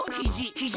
ひじ。